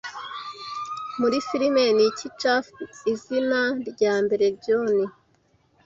Muri firime niki Shafts izina rya mbere John